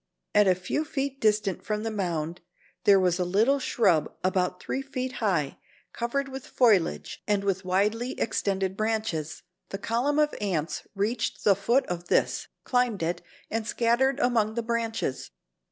At a few feet distant from the mound there was a little shrub about three feet high, covered with foliage and with widely extended branches. The column of ants reached the foot of this, climbed it, and scattered among the branches.